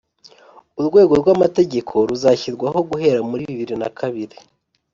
urwego rw'amategeko ruzashyirwaho guhera muri bibiri na kabiri